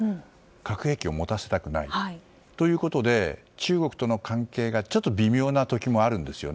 核兵器を持たせたくない。ということで、中国との関係がちょっと微妙な時もあるんですよ。